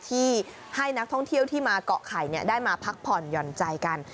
ที่ให้นักท่องเที่ยวที่มาเกาะไข่ได้มาพักผ่อนหย่อนใจกัน